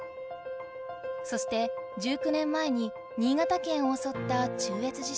そして１９年前に新潟県をおそった中越地震。